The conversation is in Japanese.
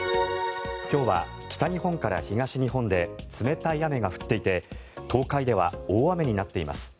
今日は北日本から東日本で冷たい雨が降っていて東海では大雨になっています。